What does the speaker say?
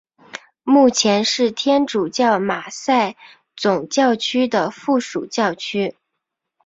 目前是天主教马赛总教区的附属教区。